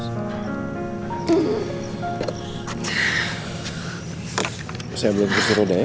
saya belum disuruh deh